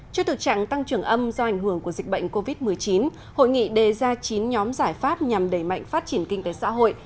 trước thực trạng tăng trưởng âm do ảnh hưởng của dịch bệnh covid một mươi chín hội nghị đề ra chín nhóm giải pháp nhằm đẩy mạnh phát triển kinh tế xã hội